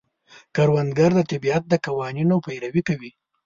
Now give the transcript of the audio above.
کروندګر د طبیعت د قوانینو پیروي کوي